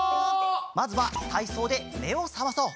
まずはたいそうでめをさまそう。